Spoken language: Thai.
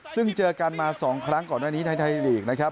ซึ่งเจอกันมา๒ครั้งก่อนหน้านี้ในไทยลีกนะครับ